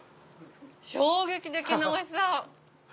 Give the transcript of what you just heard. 衝撃的なおいしさ。